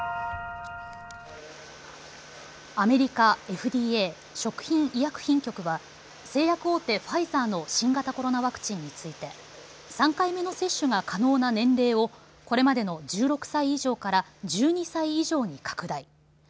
アメリカＦＤＡ・食品医薬品局は製薬大手、ファイザーの新型コロナワクチンについて３回目の接種が可能な年齢をこれまでの１６歳以上から１２歳以上に拡大。